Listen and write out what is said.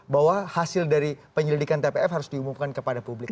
bahwa hasil dari penyelidikan tpf harus diumumkan kepada publik